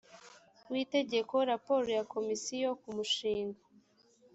w itegeko raporo ya komisiyo ku mushinga